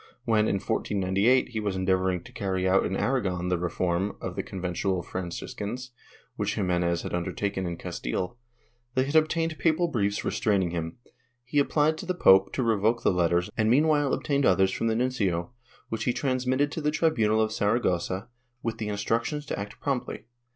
^ When, in 1498, he was endeavoring to carry out in Aragon the reform of the Conventual Franciscans, which Ximenes had undertaken in Castile, and they had obtained papal briefs restraining him, he applied to the pope to revoke the letters and meanwhile obtained others from the nuncio, which he transmitted to the tribunal of Saragossa with instructions to act promptly.